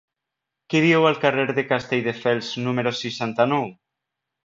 Qui viu al carrer de Castelldefels número seixanta-nou?